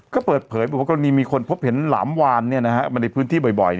ก็เปิดเผยบอกว่ากรณีมีคนพบเห็นหลามวานมาในพื้นที่บ่อย